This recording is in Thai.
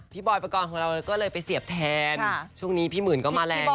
พี่บอยด์ประกอบของเราก็เลยไปเสียบแทนช่วงนี้พี่หมื่นก็มาแรงนะ